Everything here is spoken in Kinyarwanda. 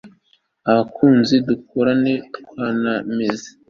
abakuzi dukorane twanamize